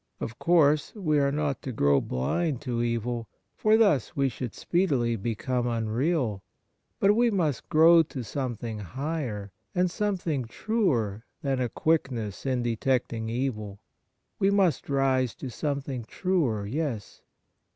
Of course, we are not to grow blind to evil, for thus we should speedily become unreal ; but we must grow to something higher, and something truer, than a quick ness in detecting evil. We must rise to something truer. Yes